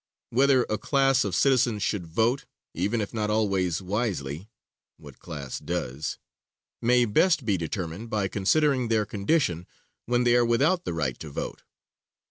Whether a class of citizens should vote, even if not always wisely what class does? may best be determined by considering their condition when they are without the right to vote.